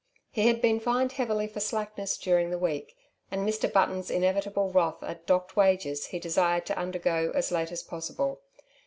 He had been fined heavily for slackness during the week, and Mr. Button's inevitable wrath at docked wages he desired to undergo as late as possible.